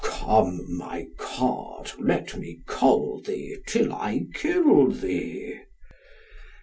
Come, my cod, let me coll thee till I kill thee.